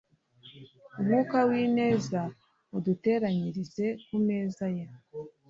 Umwuka w'ineza aduteranyirize kumeza ye